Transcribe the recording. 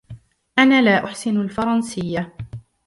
أنا لا أُحسن الفرنسية.